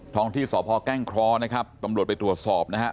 ท้องที่ศพแกล้งคล้อนะครับตำลวดไปตรวจสอบนะฮะ